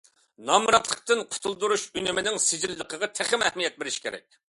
نامراتلىقتىن قۇتۇلدۇرۇش ئۈنۈمىنىڭ سىجىللىقىغا تېخىمۇ ئەھمىيەت بېرىش كېرەك.